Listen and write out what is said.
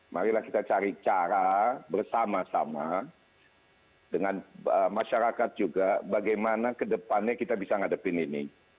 marilah kita cari cara bersama sama dengan masyarakat juga bagaimana kedepannya kita bisa ngadepin ini